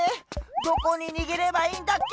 どこににげればいいんだっけ？